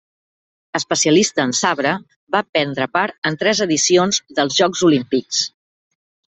Especialista en sabre, va prendre part en tres edicions dels Jocs Olímpics.